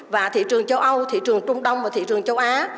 và thị trường châu âu thị trường trung đông và thị trường châu á